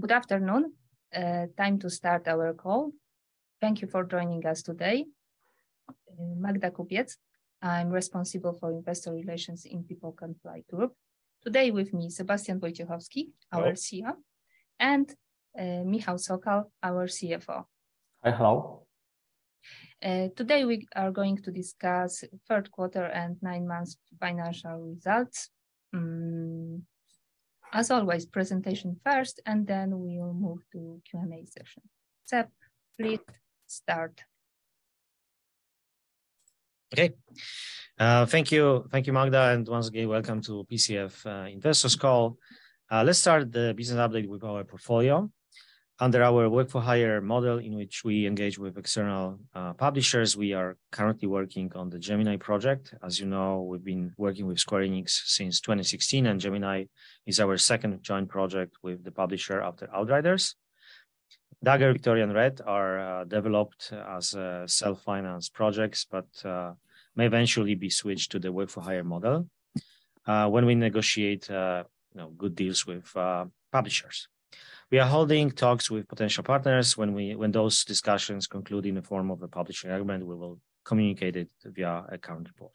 Good afternoon. Time to start our call. Thank you for joining us today. Magdalena Kupiec. I'm responsible for investor relations in People Can Fly Group. Today with me, Sebastian Wojciechowski- Hello... our CEO, and Michał Sokal, our CFO. Hi, how. Today we are going to discuss third quarter and nine months financial results. As always, presentation first, then we'll move to Q&A session. Seb, please start. Thank you. Thank you, Magda. Once again, welcome to PCF investors call. Let's start the business update with our portfolio. Under our work-for-hire model in which we engage with external publishers, we are currently working on the Gemini project. As you know, we've been working with Square Enix since 2016. Gemini is our second joint project with the publisher after Outriders. Dagger, Victoria, and Red are developed as self-finance projects, may eventually be switched to the work-for-hire model when we negotiate, you know, good deals with publishers. We are holding talks with potential partners. When those discussions conclude in the form of a publishing agreement, we will communicate it via account report.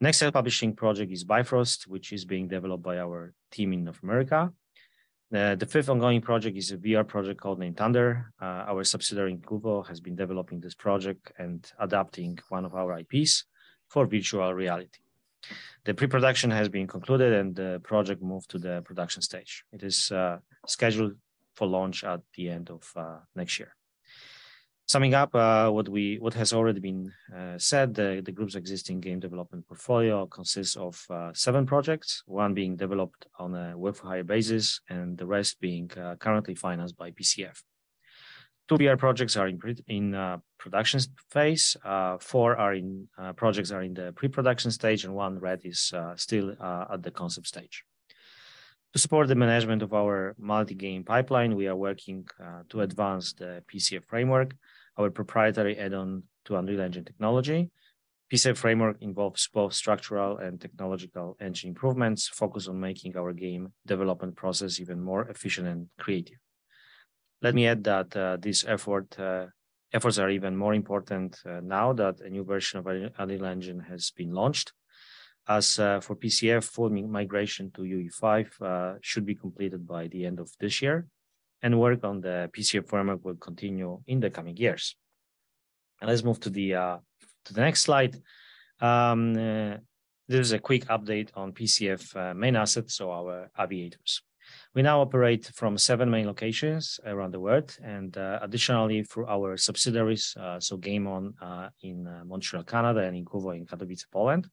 Next self-publishing project is Bifrost, which is being developed by our team in North America. The fifth ongoing project is a VR project code-named Thunder. Our subsidiary Incuvo has been developing this project and adapting one of our IPs for virtual reality. The pre-production has been concluded, and the project moved to the production stage. It is scheduled for launch at the end of next year. Summing up, what has already been said, the group's existing game development portfolio consists of seven projects, one being developed on a work-for-hire basis, and the rest being currently financed by PCF. Two VR projects are in production phase, four projects are in the pre-production stage, and one, Red, is still at the concept stage. To support the management of our multi-game pipeline, we are working to advance the PCF framework, our proprietary add-on to Unreal Engine technology. PCF framework involves both structural and technological engine improvements focused on making our game development process even more efficient and creative. Let me add that this effort, efforts are even more important now that a new version of Unreal Engine has been launched. As for PCF, full migration to UE5 should be completed by the end of this year, and work on the PCF framework will continue in the coming years. Let's move to the next slide. This is a quick update on PCF main assets, so our aviators. We now operate from 7 main locations around the world, and additionally, through our subsidiaries, so Game On in Montreal, Canada, and Incuvo in Katowice, Poland.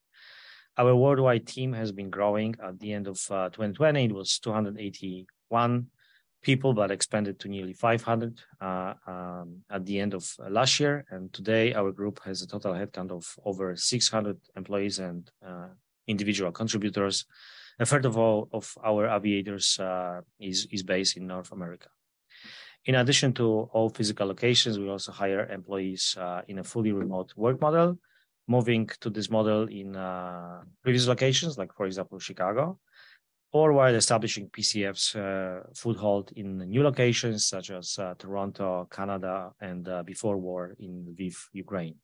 Our worldwide team has been growing. At the end of 2020, it was 281 people but expanded to nearly 500 at the end of last year. Today, our group has a total headcount of over 600 employees and individual contributors. A third of all of our aviators is based in North America. In addition to all physical locations, we also hire employees in a fully remote work model, moving to this model in previous locations, like for example, Chicago, or while establishing PCF's foothold in new locations such as Toronto, Canada, and before war in Lviv, Ukraine.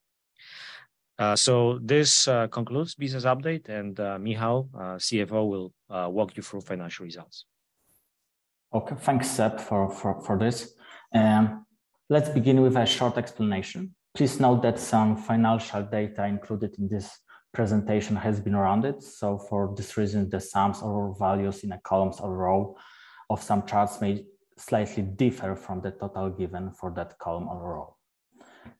This concludes business update, and Michał, CFO, will walk you through financial results. Okay. Thanks, Seb, for this. Let's begin with a short explanation. Please note that some financial data included in this presentation has been rounded. For this reason, the sums or values in the columns or row of some charts may slightly differ from the total given for that column or row.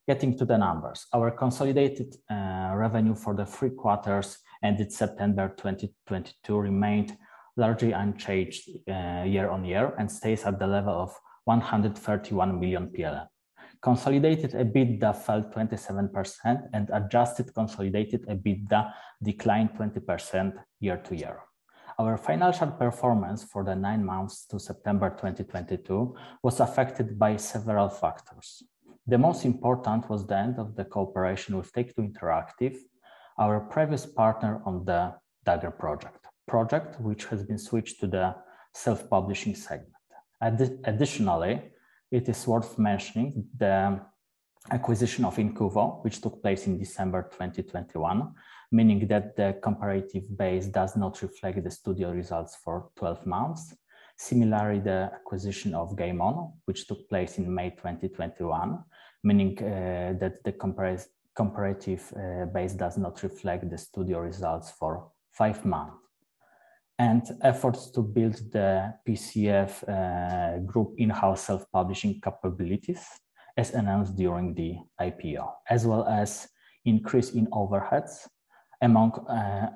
Getting to the numbers. Our consolidated revenue for the three quarters ended September 2022 remained largely unchanged year-on-year and stays at the level of 131 million. Consolidated EBITDA fell 27% and adjusted consolidated EBITDA declined 20% year-to-year. Our financial performance for the nine months to September 2022 was affected by several factors. The most important was the end of the cooperation with Take-Two Interactive, our previous partner on Project Dagger, which has been switched to the self-publishing segment. Additionally, it is worth mentioning the acquisition of Incuvo, which took place in December 2021, meaning that the comparative base does not reflect the studio results for 12 months. Similarly, the acquisition of Game On, which took place in May 2021, meaning that the comparative base does not reflect the studio results for 5 months. Efforts to build the PCF Group in-house self-publishing capabilities, as announced during the IPO, as well as increase in overheads, among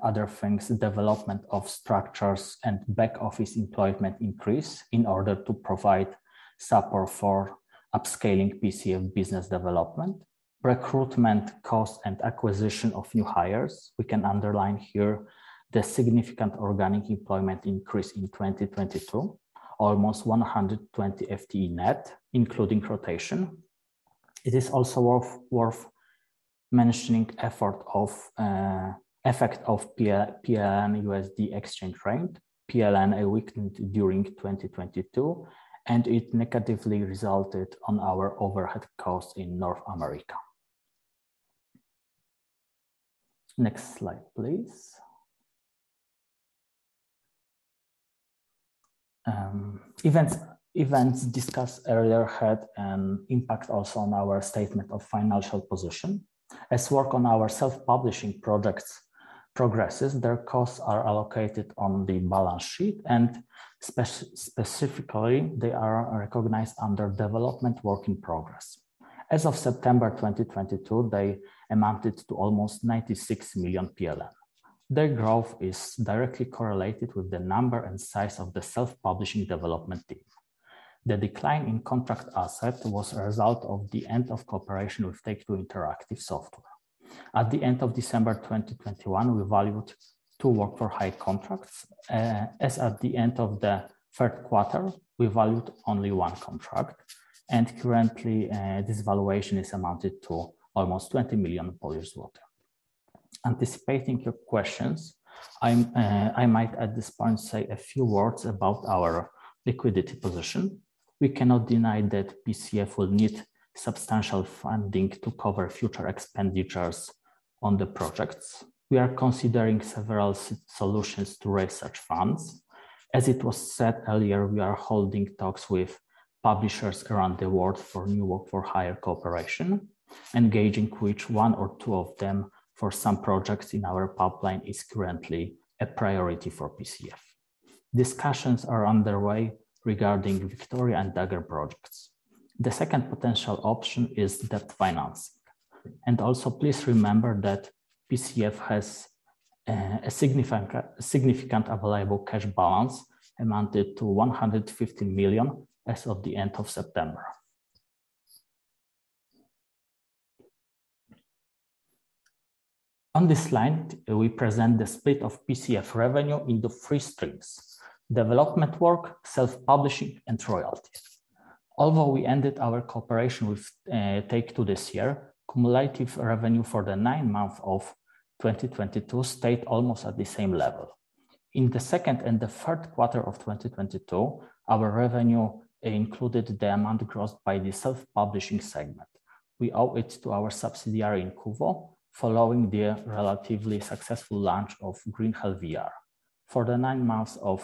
other things, development of structures and back-office employment increase in order to provide support for upscaling PCF business development, recruitment costs, and acquisition of new hires. We can underline here the significant organic employment increase in 2022, almost 120 FTE net, including rotation. It is also worth mentioning effect of PL, PLN/USD exchange rate. PLN weakened during 2022, and it negatively resulted on our overhead costs in North America. Next slide, please. Events discussed earlier had an impact also on our statement of financial position. As work on our self-publishing products progresses, their costs are allocated on the balance sheet, and specifically, they are recognized under development work in progress. As of September 2022, they amounted to almost 96 million. Their growth is directly correlated with the number and size of the self-publishing development team. The decline in contract asset was a result of the end of cooperation with Take-Two Interactive Software. At the end of December 2021, we valued 2 work-for-hire contracts. As at the end of the third quarter, we valued only one contract, and currently, this valuation is amounted to almost 20 million. Anticipating your questions, I might at this point say a few words about our liquidity position. We cannot deny that PCF will need substantial funding to cover future expenditures on the projects. We are considering several solutions to raise such funds. As it was said earlier, we are holding talks with publishers around the world for new work-for-hire cooperation. Engaging which one or two of them for some projects in our pipeline is currently a priority for PCF. Discussions are underway regarding Victoria and Dagger projects. The second potential option is debt financing. Also please remember that PCF has a significant available cash balance amounted to 150 million as of the end of September. On this slide, we present the split of PCF revenue into three streams: development work, self-publishing and royalties. Although we ended our cooperation with Take-Two this year, cumulative revenue for the nine months of 2022 stayed almost at the same level. In the 2nd and 3rd quarter of 2022, our revenue included the amount grossed by the self-publishing segment. We owe it to our subsidiary Incuvo, following the relatively successful launch of Green Hell VR. For the nine months of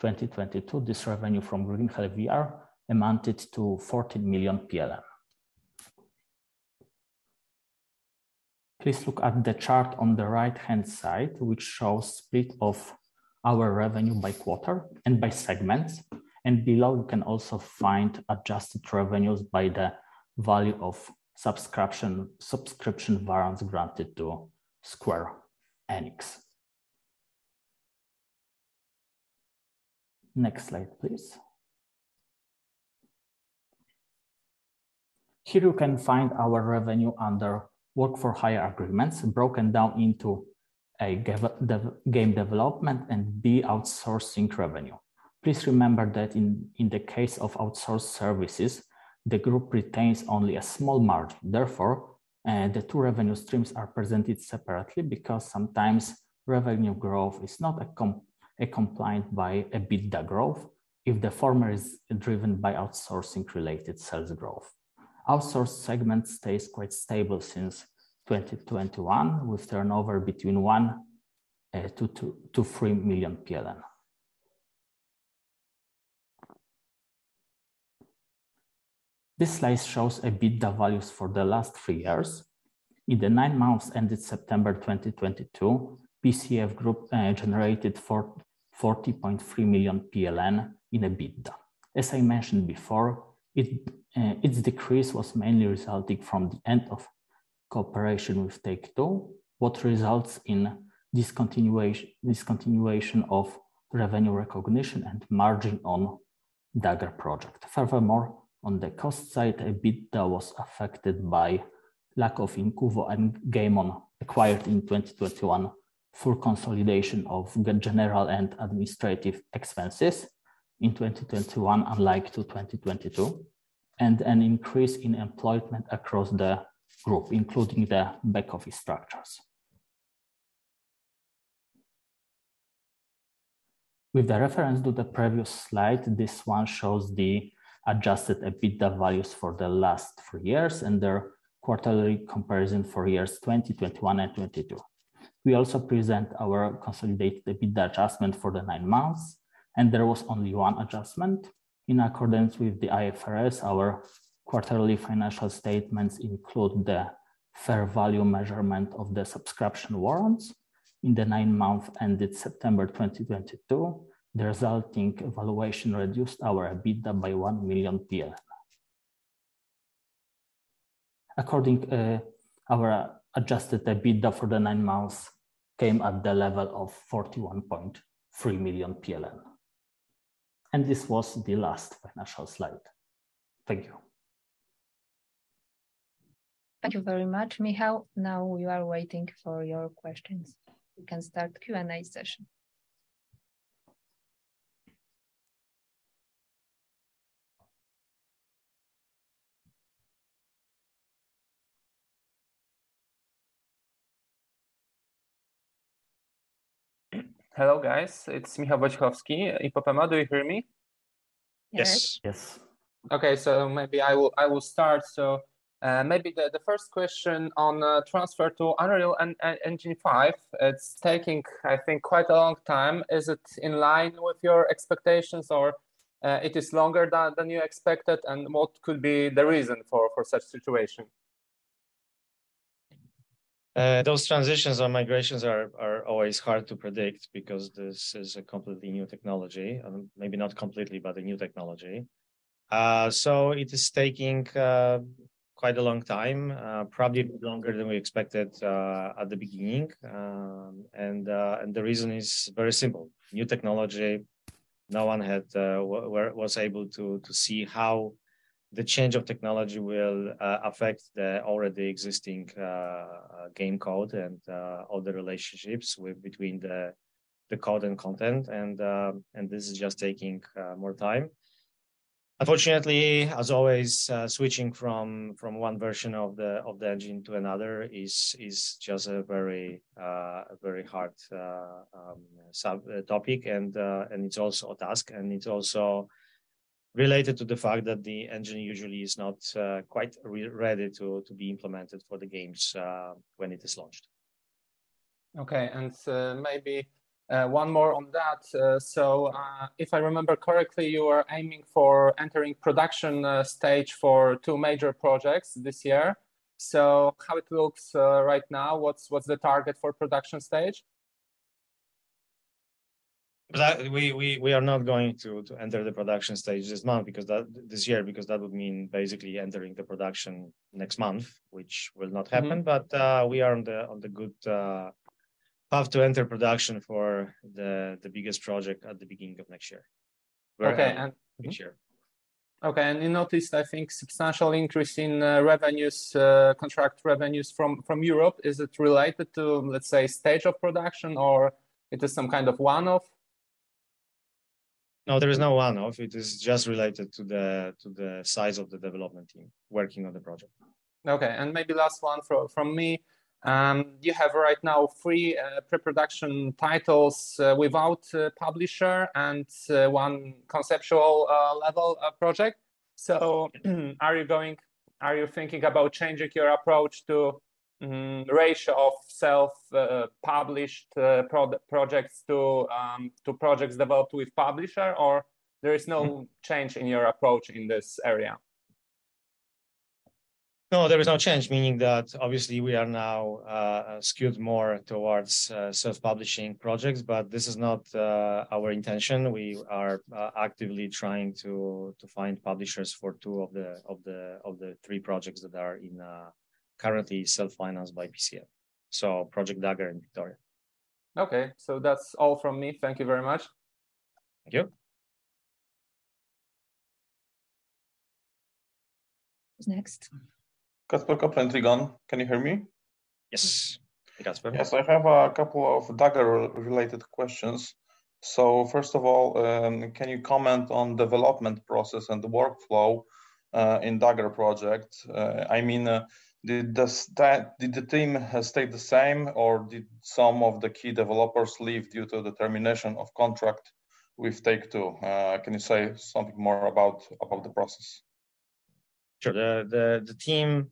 2022, this revenue from Green Hell VR amounted to 14 million. Please look at the chart on the right-hand side, which shows split of our revenue by quarter and by segments. Below you can also find adjusted revenues by the value of subscription warrants granted to Square Enix. Next slide, please. Here you can find our revenue under work-for-hire agreements broken down into, A, game development, and B, outsourcing revenue. Please remember that in the case of outsourced services, the group retains only a small margin. The two revenue streams are presented separately because sometimes revenue growth is not accompanied by EBITDA growth if the former is driven by outsourcing-related sales growth. Outsourced segment stays quite stable since 2021, with turnover between PLN 1 million-PLN 3 million. This slide shows EBITDA values for the last three years. In the nine months ended September 2022, PCF Group generated 40.3 million PLN in EBITDA. As I mentioned before, its decrease was mainly resulting from the end of cooperation with Take-Two, what results in discontinuation of revenue recognition and margin on Dagger project. On the cost side, EBITDA was affected by lack of Incuvo and Game On acquired in 2021, full consolidation of general and administrative expenses in 2021, unlike to 2022, and an increase in employment across the group, including the back office structures. With the reference to the previous slide, this one shows the adjusted EBITDA values for the last three years and their quarterly comparison for years 2020, 2021 and 2022. We also present our consolidated EBITDA adjustment for the nine months, and there was only one adjustment. In accordance with the IFRS, our quarterly financial statements include the fair value measurement of the subscription warrants. In the nine months ended September 2022, the resulting evaluation reduced our EBITDA by PLN 1 million. Our adjusted EBITDA for the nine months came at the level of 41.3 million PLN. This was the last financial slide. Thank you. Thank you very much, Michał. Now we are waiting for your questions. We can start Q&A session. Hello, guys. It's Michał Wojciechowski, Ipopema. Do you hear me? Yes. Yes. Okay, maybe I will start. Maybe the first question on transfer to Unreal Engine 5. It's taking, I think, quite a long time. Is it in line with your expectations, or it is longer than you expected? What could be the reason for such situation? Those transitions or migrations are always hard to predict because this is a completely new technology, maybe not completely, but a new technology. It is taking quite a long time, probably longer than we expected at the beginning. The reason is very simple. New technology, no one had was able to see how the change of technology will affect the already existing game code and all the relationships with between the code and content. This is just taking more time. Unfortunately, as always, switching from one version of the engine to another is just a very, a very hard topic, and it's also a task, and it's also related to the fact that the engine usually is not quite ready to be implemented for the games when it is launched. Okay. Maybe one more on that. If I remember correctly, you were aiming for entering production stage for two major projects this year. How it looks right now? What's the target for production stage? We are not going to enter the production stage this year, because that would mean basically entering the production next month, which will not happen. Mm-hmm. we are on the good path to enter production for the biggest project at the beginning of next year. Okay, and- Next year. Okay. You noticed, I think, substantial increase in revenues, contract revenues from Europe. Is it related to, let's say, stage of production or it is some kind of one-off? No, there is no one-off. It is just related to the size of the development team working on the project now. Okay. Maybe last one from me. You have right now three pre-production titles without a publisher and one conceptual level project. Are you thinking about changing your approach to ratio of self published projects to projects developed with publisher, or there is no change in your approach in this area? No, there is no change. Meaning that obviously we are now skewed more towards self-publishing projects, but this is not our intention. We are actively trying to find publishers for two of the three projects that are currently self-financed by PCF, so Project Dagger and Victoria. Okay. That's all from me. Thank you very much. Thank you. Who's next? Kacper Kopron, Trigon. Can you hear me? Yes. Yes. Hey, Kacper. Yes. I have a couple of Dagger related questions. First of all, can you comment on development process and the workflow in Dagger project? I mean, did the team stay the same or did some of the key developers leave due to the termination of contract with Take-Two? Can you say something more about the process? Sure. The team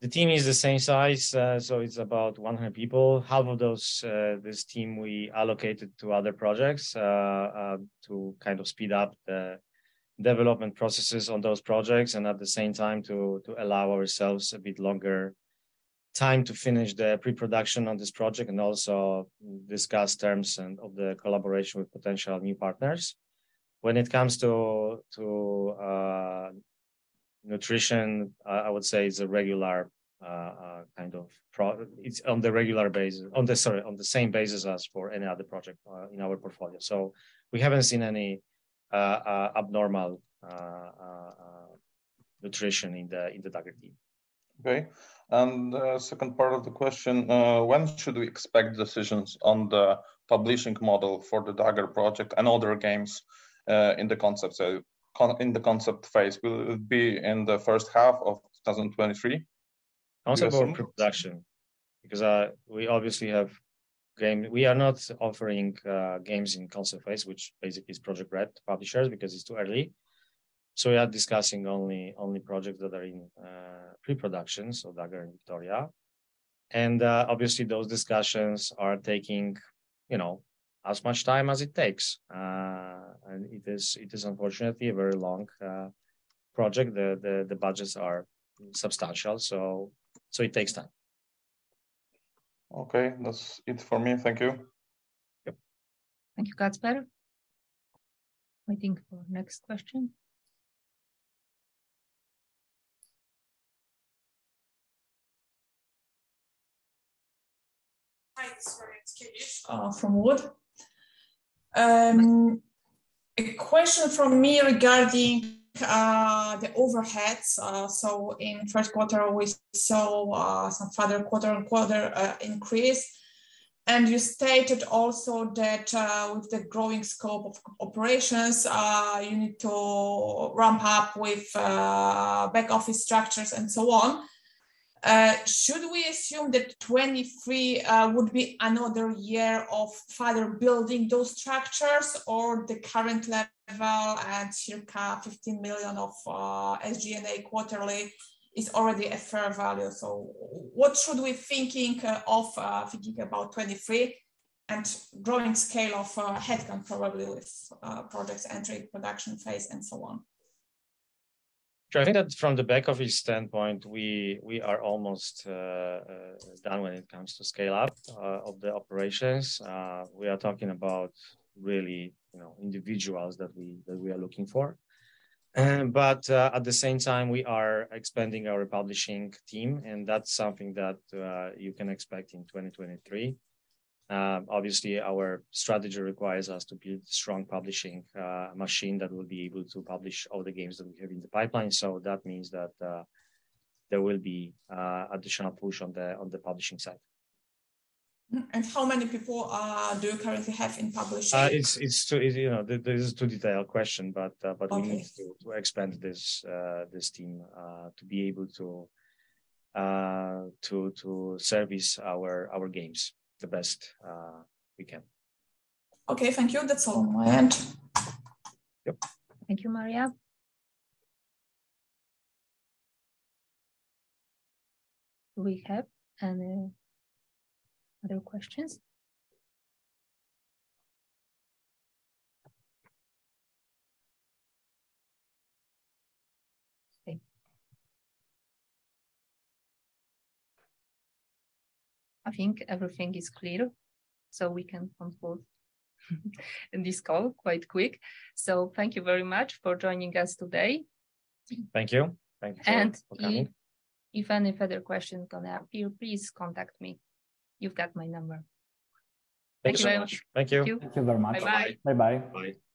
is the same size. It's about 100 people. Half of those, this team we allocated to other projects to kind of speed up the development processes on those projects and at the same time to allow ourselves a bit longer time to finish the pre-production on this project and also discuss terms and of the collaboration with potential new partners. When it comes to attrition, I would say it's on the same basis as for any other project in our portfolio. We haven't seen any abnormal attrition in the Dagger team. Okay. Second part of the question, when should we expect decisions on the publishing model for the Dagger Project and other games, in the concept? In the concept phase. Will it be in the first half of 2023? For production, because We are not offering games in concept phase, which basically is Project Red to publishers, because it's too early. We are discussing only projects that are in pre-production, so Dagger and Victoria. Obviously those discussions are taking, you know, as much time as it takes. It is unfortunately a very long project. The budgets are substantial, so it takes time. Okay. That's it for me. Thank you. Yep. Thank you, Kacper. Waiting for next question. Hi, this is Marta Jezewska-Wasilewska from Wood. A question from me regarding the overheads. In first quarter we saw some further QoQ increase. You stated also that with the growing scope of operations, you need to ramp up with back office structures and so on. Should we assume that 2023 would be another year of further building those structures or the current level at circa 15 million of SG&A quarterly is already a fair value? What should we thinking about 2023 and growing scale of headcount probably with products entering production phase and so on? I think that from the back office standpoint, we are almost done when it comes to scale up of the operations. We are talking about really, you know, individuals that we are looking for. At the same time we are expanding our publishing team, and that's something that you can expect in 2023. Obviously, our strategy requires us to build a strong publishing machine that will be able to publish all the games that we have in the pipeline. That means that there will be additional push on the publishing side. How many people do you currently have in publishing? it's too easy... You know, that is too detailed question, but Okay... we need to expand this team, to be able to service our games the best, we can. Okay, thank you. That's all on my end. Yep. Thank you, Marta. Do we have any other questions? I think everything is clear. We can conclude this call quite quick. Thank you very much for joining us today. Thank you. Thank you. And if- Thank you for coming. if any further questions gonna appear, please contact me. You've got my number. Thank you very much. Thank you. Thank you. Thank you very much. Bye-bye. Bye-bye. Bye.